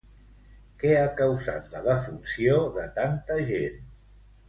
Què ha causat la defunció de tanta gent?